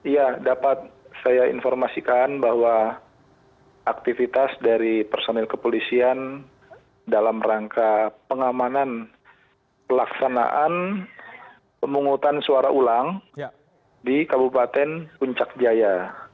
ya dapat saya informasikan bahwa aktivitas dari personil kepolisian dalam rangka pengamanan pelaksanaan pemungutan suara ulang di kabupaten puncak jaya